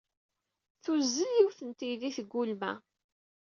Tuzzel yiwet n teydit deg ulma.